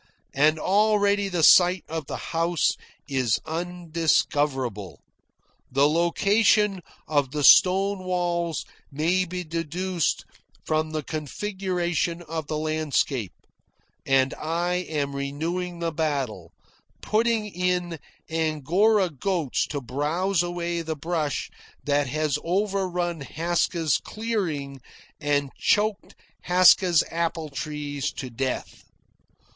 And already the site of the house is undiscoverable, the location of the stone walls may be deduced from the configuration of the landscape, and I am renewing the battle, putting in angora goats to browse away the brush that has overrun Haska's clearing and choked Haska's apple trees to death.